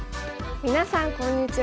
みなさんこんにちは。